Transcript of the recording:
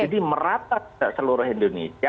jadi merata seluruh indonesia